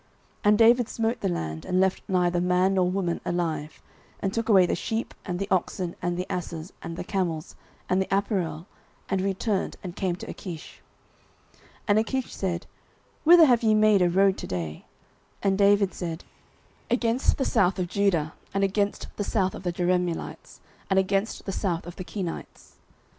09:027:009 And David smote the land, and left neither man nor woman alive, and took away the sheep, and the oxen, and the asses, and the camels, and the apparel, and returned, and came to Achish. 09:027:010 And Achish said, Whither have ye made a road to day? And David said, Against the south of Judah, and against the south of the Jerahmeelites, and against the south of the Kenites.